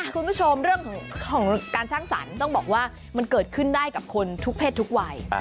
คุณผู้ชมเรื่องของการสร้างสรรค์ต้องบอกว่ามันเกิดขึ้นได้กับคนทุกเพศทุกวัย